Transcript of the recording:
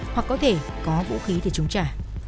hoặc có thể có vũ khí để trúng trả